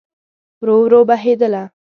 ورو، ورو بهیدله